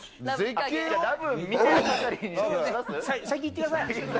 先行ってください。